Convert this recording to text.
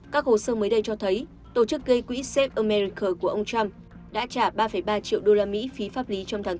các hồ sơ mới đây cho thấy tổ chức gây quỹ xếp omerical của ông trump đã trả ba ba triệu đô la mỹ phí pháp lý trong tháng bốn